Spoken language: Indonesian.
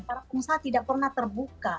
para pengusaha tidak pernah terbuka